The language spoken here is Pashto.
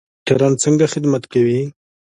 ډاکټران څنګه خدمت کوي؟